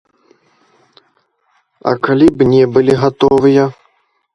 А калі б не былі гатовыя?